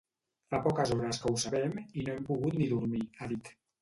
Fa poques hores que ho sabem i no hem pogut ni dormir, ha dit.